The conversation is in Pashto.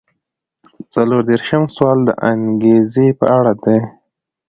څلور دېرشم سوال د انګیزې په اړه دی.